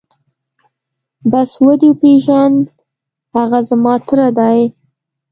بس ودې پېژاند هغه زما تره دى.